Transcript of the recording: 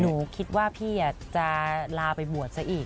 หนูคิดว่าพี่จะลาไปบวชซะอีก